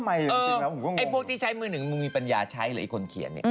มันไม่โงแฮน